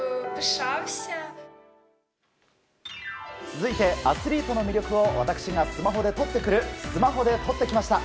続いて、アスリートの魅力を私がスマホで撮ってくるスマホで撮ってきました！